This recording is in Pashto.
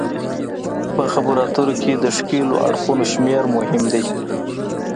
په خبرو اترو کې د ښکیلو اړخونو شمیر مهم دی